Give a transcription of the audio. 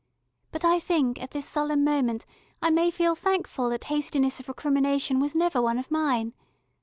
"But I think, at this solemn moment, I may feel thankful that hastiness of recrimination was never one of mine.